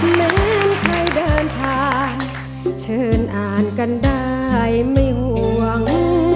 เหมือนใครเดินทางเชิญอ่านกันได้ไม่ห่วง